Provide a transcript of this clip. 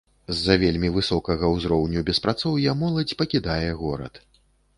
З-за вельмі высокага ўзроўню беспрацоўя моладзь пакідае горад.